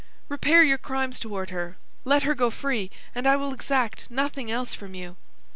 Repair your crimes toward her; let her go free, and I will exact nothing else from you."